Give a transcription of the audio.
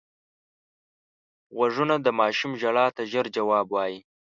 غوږونه د ماشوم ژړا ته ژر ځواب وايي